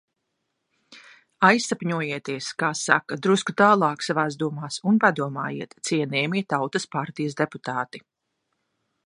Aizsapņojieties, kā saka, drusku tālāk savās domās un padomājiet, cienījamie Tautas partijas deputāti!